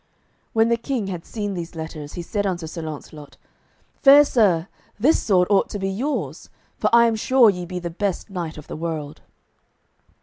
When the King had seen these letters, he said unto Sir Launcelot, "Fair sir, this sword ought to be yours, for I am sure ye be the best knight of the world."